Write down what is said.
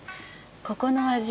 ここの味